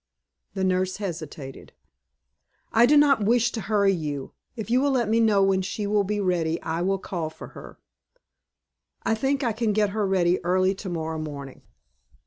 The nurse hesitated. "I do not wish to hurry you. If you will let me know when she will be ready, I will call for her." "I think I can get her ready early to morrow morning."